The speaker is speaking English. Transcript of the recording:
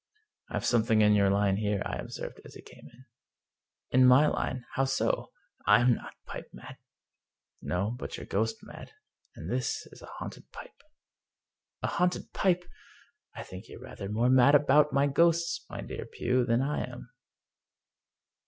" I've something in your line here," I observed, as he came in. " In my line? How so? Pm not pipe mad." " No ; but you're ghost mad. And this is a haunted pipe/* " A haunted pipe! I think you're rather more mad about ghosts, my dear Pugh, than I am."